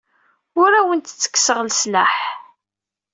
Ur awent-ttekkseɣ leslaḥ.